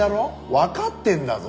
わかってんだぞ。